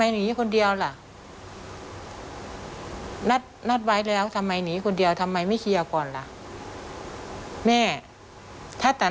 อันนี้ใครพูดค่ะเพื่อนชายค่ะเพื่อนเขาค่ะ